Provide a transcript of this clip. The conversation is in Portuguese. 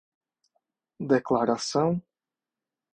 declaração